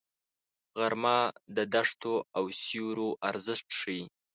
غرمه د دښتو او سیوریو ارزښت ښيي